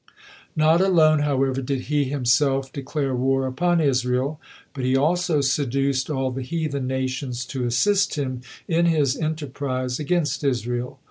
Not alone, however, did he himself declare war upon Israel, but he also seduced all the heathen nations to assist him in his enterprise against Israel.